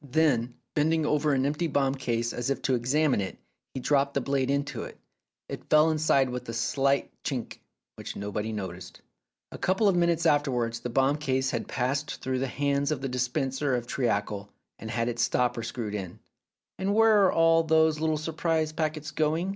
Then, bending over an empty bomb case as if to examine it, he dropped the blade into it. It fell inside with a slight chink, which nobody noticed. A couple of minutes afterwards the bomb case had passed through the hands of the dispenser of treacle, and had its stopper screwed in. "And where are all those little surprise packets going?"